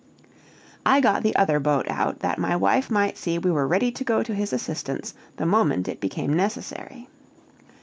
I got the other boat out, that my wife might see we were ready to go to his assistance the moment it became necessary.